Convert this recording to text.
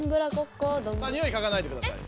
さあにおいかがないでください。